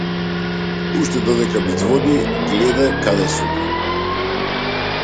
Уште додека ми ѕвони гледа каде сум.